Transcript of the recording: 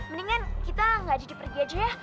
mendingan kita gak jadi pergi aja ya